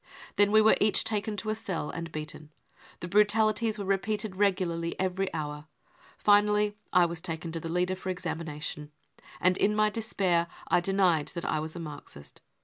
..." Then we were each taken to a cell and beaten. The brutalities were repeated regularly every hour. Finally I was taken to the leader for examination, and in my despair I denied that I was a Marxist.